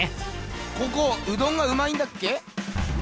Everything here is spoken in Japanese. ここうどんがうまいんだっけ？